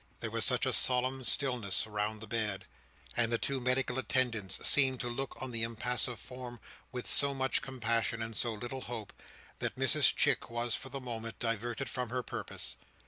There was such a solemn stillness round the bed; and the two medical attendants seemed to look on the impassive form with so much compassion and so little hope, that Mrs Chick was for the moment diverted from her purpose.